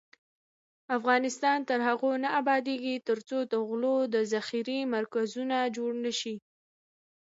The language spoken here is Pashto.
افغانستان تر هغو نه ابادیږي، ترڅو د غلو د ذخیرې مرکزونه جوړ نشي.